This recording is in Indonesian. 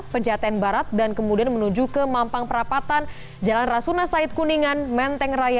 pejaten barat dan kemudian menuju ke mampang perapatan jalan rasuna said kuningan menteng raya